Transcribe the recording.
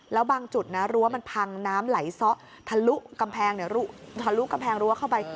แล้วบางจุดรั้วมันพังน้ำไหลเซาะทะลุกำแพงรั้วเข้าไป